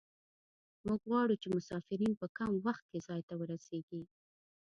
موږ غواړو چې مسافرین په کم وخت کې ځای ته ورسیږي